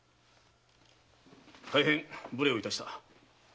大変無礼をいたした。